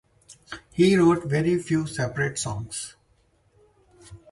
He wrote very few separate songs.